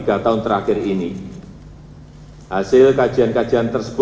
kerta negara provinsi kalimantan timur